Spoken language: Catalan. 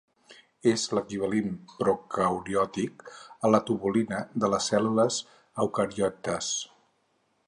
És l'equivalent procariòtic a la tubulina de les cèl·lules eucariotes.